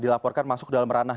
dilaporkan masuk dalam ranah